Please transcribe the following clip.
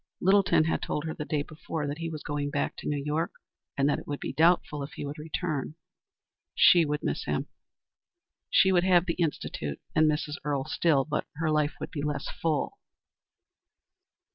Littleton had told her the day before that he was going back to New York and that it was doubtful if he would return. She would miss him. She would have the Institute and Mrs. Earle still, but her life would be less full.